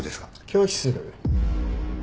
拒否する。